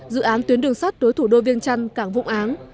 dự án tuyến đường sắt đối thủ đô viên trăn cảng vũng áng